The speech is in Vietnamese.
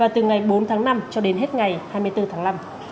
từ ngày bốn tháng năm cho đến hết ngày hai mươi bốn tháng năm